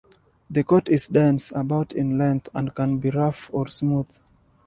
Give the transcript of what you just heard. The coat is dense, about in length, and can be rough or smooth.